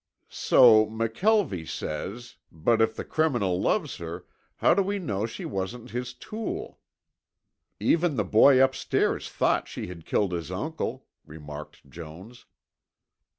"So McKelvie says, but if the criminal loves her, how do we know she wasn't his tool. Even the boy upstairs thought she had killed his uncle," remarked Jones.